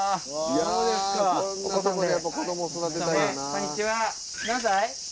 こんにちは何歳？